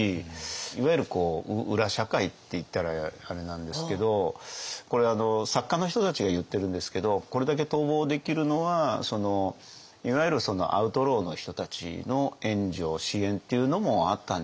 いわゆる裏社会っていったらあれなんですけどこれ作家の人たちが言ってるんですけどこれだけ逃亡できるのはいわゆるアウトローの人たちの援助支援っていうのもあったんではないか。